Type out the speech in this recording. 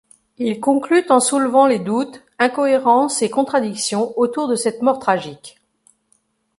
Ils concluent en soulevant les doutes, incohérences et contradictions autour de cette mort tragique.